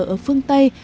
ở phương tây